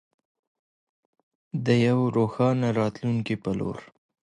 د یوې روښانه راتلونکې په لور.